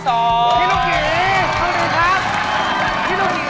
พี่ลุกหยีขอบคุณครับ